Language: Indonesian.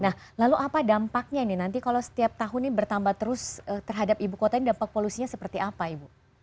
nah lalu apa dampaknya ini nanti kalau setiap tahun ini bertambah terus terhadap ibu kota ini dampak polusinya seperti apa ibu